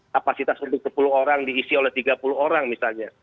kapasitas untuk sepuluh orang diisi oleh tiga puluh orang misalnya